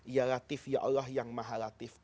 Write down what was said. ya latif ya allah yang maha latif